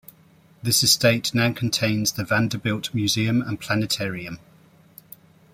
This estate now contains the Vanderbilt museum and planetarium.